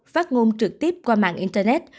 phát ngôn trực tiếp qua mạng internet